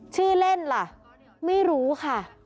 ชื่อเล่นล่ะไม่รู้ค่ะ